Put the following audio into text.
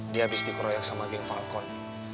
dia habis dikeroyok sama geng falcon